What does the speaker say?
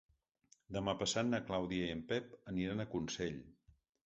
Demà passat na Clàudia i en Pep aniran a Consell.